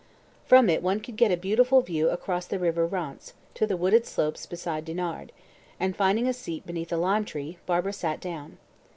From it one could get a beautiful view across the River Rance, to the wooded slopes beside Dinard, and, finding a seat beneath a lime tree, Barbara sat down.